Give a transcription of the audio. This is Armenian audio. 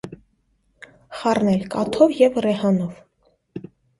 Խառնել կաթով և ռեհանով։